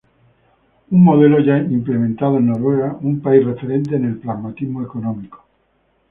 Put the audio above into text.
Un modelo ya implementado en Noruega, un país referente en el pragmatismo económico.